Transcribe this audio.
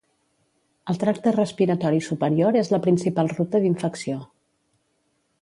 El tracte respiratori superior és la principal ruta d’infecció.